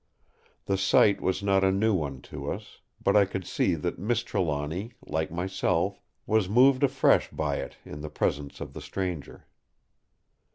The sight was not a new one to us; but I could see that Miss Trelawny, like myself, was moved afresh by it in the presence of the stranger.